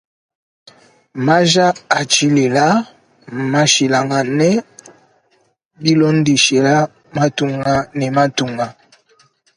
Maja a tshilela mmashilangana bilondeshela matunga ne matunga.